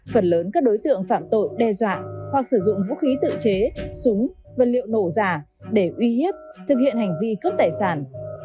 phần lớn các đối tượng phạm tội đe dọa hoặc sử dụng vũ khí tự chế súng vật liệu nổ giả để uy hiếp thực hiện hành vi cướp tài sản